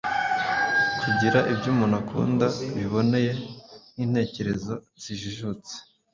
Kugira ibyo umuntu akunda biboneye n’intekerezo zijijutse